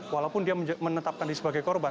walaupun dia menetapkan dia sebagai korban